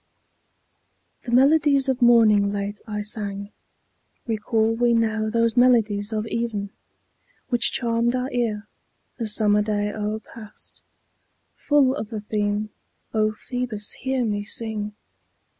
The Melodies of Morning late I sang. Recall we now those Melodies of Even Which charmed our ear, the summer day o'erpast; Full of the theme, O Phoebus, hear me sing.